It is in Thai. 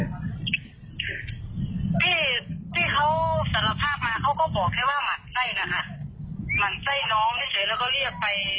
ที่เขาสรรพาพมาเขาก็บอกให้ว่ามันใจนะคะ